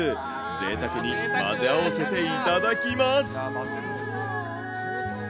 ぜいたくに混ぜ合わせていただきます。